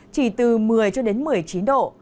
chỉ từ một mươi cho đến một mươi chín độ